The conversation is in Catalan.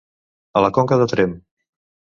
A la conca de Tremp.